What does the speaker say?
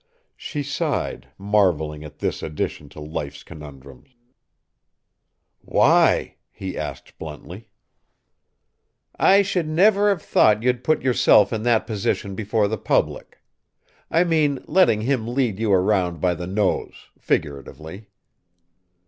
She sighed, marvelling at this addition to life's conundrums. "Why?" he asked, bluntly. "I should never have thought you'd put yourself in that position before the public. I mean, letting him lead you around by the nose figuratively."